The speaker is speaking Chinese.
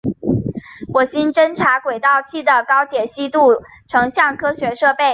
火星侦察轨道器的高解析度成像科学设备。